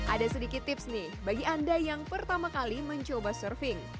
ada sedikit tips nih bagi anda yang pertama kali mencoba surfing